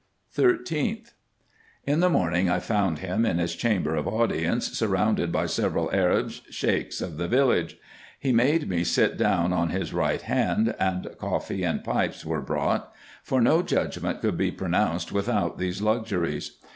13th. — In the morning I found him in his chamber of audience, surrounded by several Arabs, Sheiks of the village. He made me sit down on his right hand, and coffee and pipes were brought ; for no judgment could be pronounced without these luxuries.